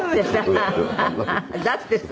だってさ